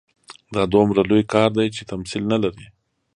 دا دومره لوی کار دی چې تمثیل نه لري.